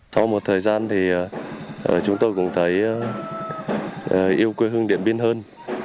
sau một thời gian thì chúng tôi cũng thấy yêu quê hương điện biên hơn